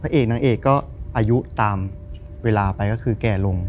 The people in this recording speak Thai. เอกนางเอกก็อายุตามเวลาไปก็คือแก่ลง